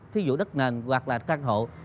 thí dụ đất nền hoặc là căn hộ